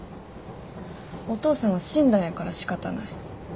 お父さんは死んだんやからしかたない。